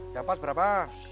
yang pas berapa